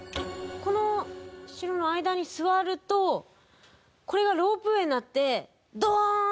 この白の間に座るとこれがロープウェーになってドーン！